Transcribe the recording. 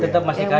tetep masih kayu